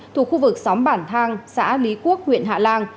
thuộc khu vực xóm bản thang xã lý quốc huyện hạ lan